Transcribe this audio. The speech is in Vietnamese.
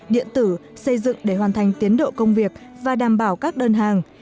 điện tử xây dựng để hoàn thành tiến độ công việc và đảm bảo các đơn hàng